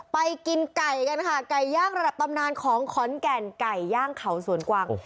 ไปกินไก่กันค่ะไก่ย่างระดับตำนานของขอนแก่นไก่ย่างเขาสวนกวาง